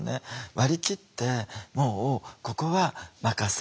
割り切ってもうここは任せる。